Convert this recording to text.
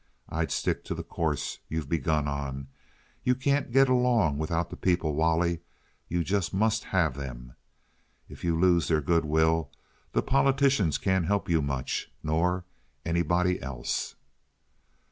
I'd stick to the course you've begun on. You can't get along without the people, Wally. You just must have them. If you lose their good will the politicians can't help you much, nor anybody else."